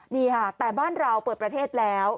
นี่ค่ะแต่บ้านเราเปิดประเทศแล้ว